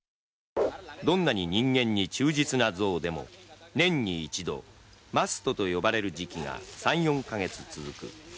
どんなに人間に忠実な象でも年に１度マストと呼ばれる時期が３４カ月続く。